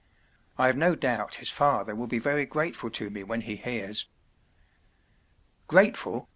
“ I’ve no doubt his father will be very grateful to me when he hears.” “ Grateful!